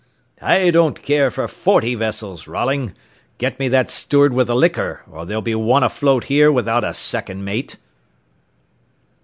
"I don't care for forty vessels, Rolling. Get me that steward with the liquor, or there'll be one afloat here without a second mate."